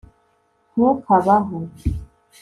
ntukabaho